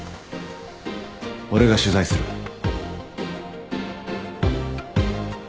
俺が取材する。